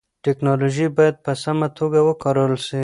ټیکنالوژي باید په سمه توګه وکارول سي.